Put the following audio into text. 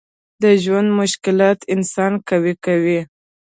د ژوند مشکلات انسان قوي کوي.